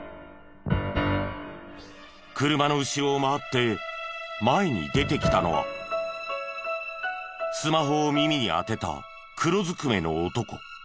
車の後ろを回って前に出てきたのはスマホを耳に当てた黒ずくめの男。